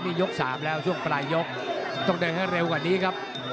นี่ยก๓แล้วช่วงปลายยกต้องเดินให้เร็วกว่านี้ครับ